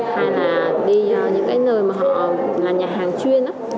hai là đi những cái nơi mà họ là nhà hàng chuyên á